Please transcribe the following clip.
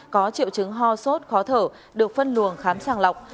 có triệu chứng ho sốt khó thở được phân luồng khám sàng lọc